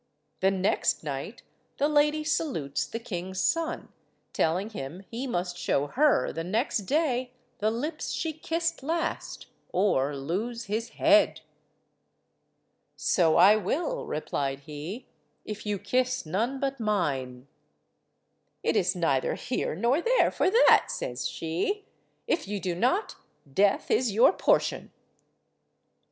The next night the lady salutes the king's son, telling him he must show her the next day the lips she kissed last or lose his head. "So I will," replied he, "if you kiss none but mine." "It is neither here nor there for that," says she. "If you do not, death is your portion."